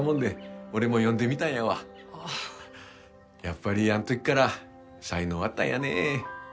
やっぱりあん時から才能あったんやね。